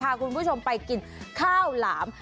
พาคุณผู้ชมไปกินข้าวหลาม